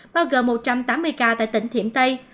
bao gồm một trăm tám mươi ca tại tỉnh thiểm tây